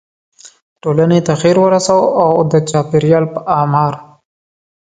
ټولنې ته خیر ورسوو او د چاپیریال په اعمار.